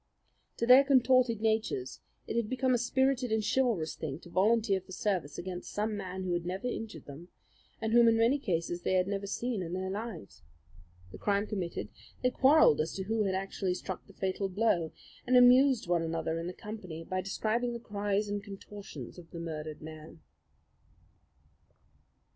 To their contorted natures it had become a spirited and chivalrous thing to volunteer for service against some man who had never injured them, and whom in many cases they had never seen in their lives. The crime committed, they quarrelled as to who had actually struck the fatal blow, and amused one another and the company by describing the cries and contortions of the murdered man.